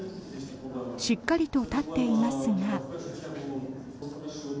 しっかりと立っていますが。